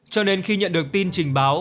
cho nên khi nhận được tin trình báo